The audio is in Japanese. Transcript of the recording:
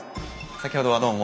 先ほどはどうも。